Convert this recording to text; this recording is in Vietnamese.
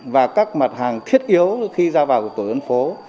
và các mặt hàng thiết yếu khi ra vào tổ dân phố